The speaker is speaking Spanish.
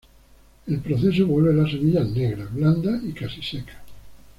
El proceso vuelve las semillas negras, blandas y casi secas.